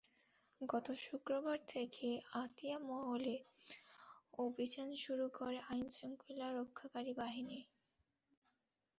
গত শুক্রবার থেকে আতিয়া মহলে অভিযান শুরু করে আইনশৃঙ্খলা রক্ষাকারী বাহিনী।